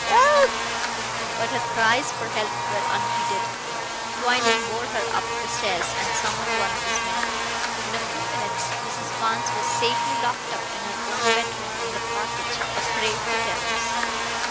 'Elp!" But her cries for help were unheeded. Twining bore her up the stairs and summoned one of his men. In a few minutes Mrs. Barnes was safely locked up in her own bedroom in the cottage, a prey to terrors.